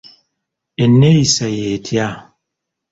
Enneeyisa y'etya?